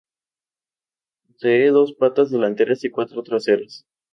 Posee dos patas delanteras y cuatro traseras.